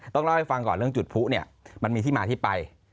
ต้องเล่าให้ฟังก่อนเรื่องจุดผู้เนี่ยมันมีที่มาที่ไป